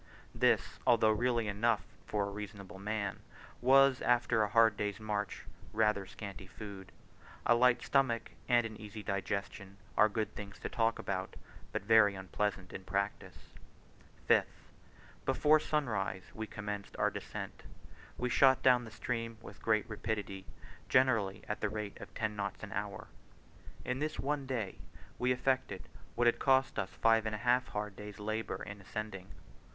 This, although really enough for reasonable men, was, after a hard day's march, rather scanty food: a light stomach and an easy digestion are good things to talk about, but very unpleasant in practice. 5th. Before sunrise we commenced our descent. We shot down the stream with great rapidity, generally at the rate of ten knots an hour. In this one day we effected what had cost us five and a half hard days' labour in ascending.